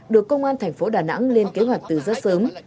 được công an thành phố đà nẵng lên kế hoạch từ rất sớm